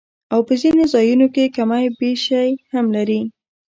او پۀ ځنې ځايونو کښې کمی بېشی هم لري